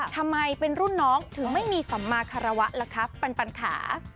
ทำไมเป็นรุ่นน้องถึงไม่มีสมมาครวะปันปันค่ะ